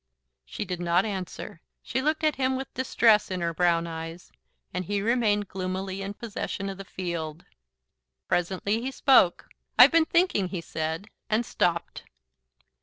She did not answer. She looked at him with distress in her brown eyes, and he remained gloomily in possession of the field. Presently he spoke. "I've been thinking," he said, and stopped.